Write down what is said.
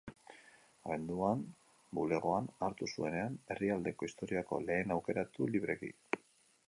Abenduan bulegoan hartu zuenean, herrialdeko historiako lehen aukeratu libreki.